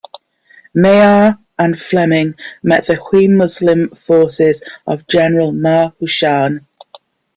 Maillart and Fleming met the Hui Muslim forces of General Ma Hushan.